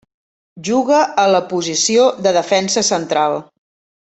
Juga a la posició de defensa central.